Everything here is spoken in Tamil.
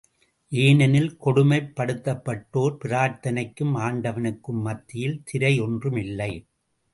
ஏனெனில் கொடுமைப் படுத்தப்பட்டோர் பிரார்த்தனைக்கும், ஆண்டவனுக்கும் மத்தியில் திரை ஒன்றும் இல்லை.